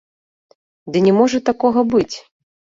Ды не можа такога быць!